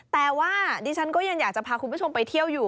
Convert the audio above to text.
แต่ว่าดิฉันก็ยังอยากจะพาคุณผู้ชมไปเที่ยวอยู่